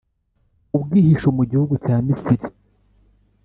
ubwihisho mu gihugu cya Misiri.